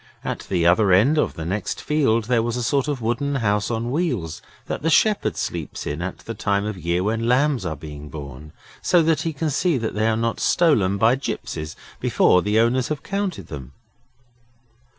At the other end of the next field there was a sort of wooden house on wheels, that the shepherd sleeps in at the time of year when lambs are being born, so that he can see that they are not stolen by gipsies before the owners have counted them.